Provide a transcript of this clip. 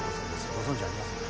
ご存じありませんか？